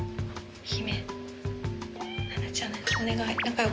姫。